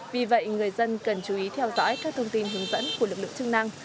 vì vậy người dân cần chú ý theo dõi các thông tin hướng dẫn của lực lượng chức năng